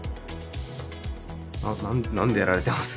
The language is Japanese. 何でやられてます？